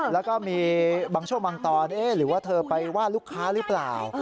แล้วก็มีบางช่วงบางตอนหรือว่าเธอไปว่าลูกค้าหรือเปล่า